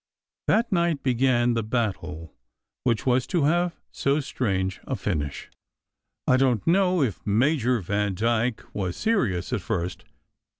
That night began the battle which was to have so strange a finish. I don t know if Major Vandyke was serious at first.